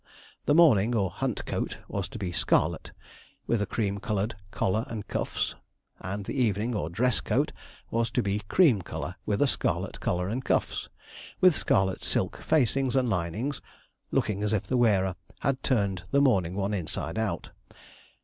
The morning, or hunt coat, was to be scarlet, with a cream coloured collar and cuffs; and the evening, or dress coat, was to be cream colour, with a scarlet collar and cuffs, and scarlet silk facings and linings, looking as if the wearer had turned the morning one inside out.